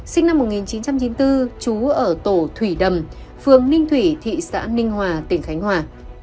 sinh năm một nghìn chín trăm chín mươi bốn trú ở tổ thủy đầm phường ninh thủy thị xã ninh hòa tỉnh khánh hòa